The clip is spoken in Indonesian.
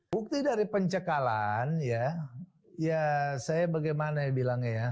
bukti dari pencekalan ya saya bagaimana bilangnya ya